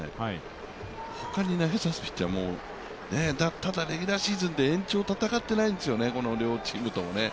ほかに投げさせるピッチャー、ただ、レギュラーシーズンで延長を戦っていないんですよね、両チームとも。